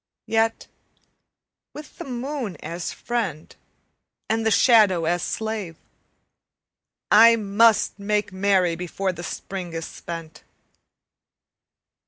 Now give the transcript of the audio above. Yet with the moon as friend and the shadow as slave I must make merry before the Spring is spent.